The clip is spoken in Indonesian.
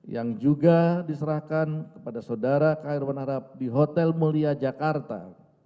yang juga diserahkan kepada saudara khairman harap di hotel mulia jakarta